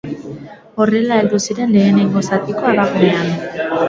Horrela heldu ziren lehenengo zatiko abagunean.